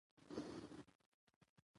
لوگر د افغانستان په طبیعت کې مهم رول لري.